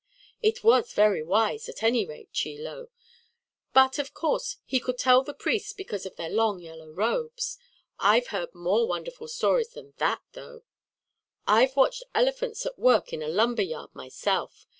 "It was very wise, at any rate, Chie Lo. But, of course, he could tell the priests because of their long yellow robes. I've heard more wonderful stories than that, though. "I've watched elephants at work in a lumber yard, myself.